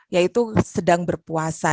yaitu sedang berpuasa